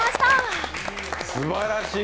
すばらしい。